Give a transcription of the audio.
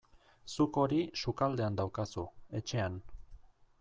Zuk hori sukaldean daukazu, etxean.